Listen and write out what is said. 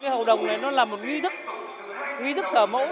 hậu đồng này là một nghi thức thờ mẫu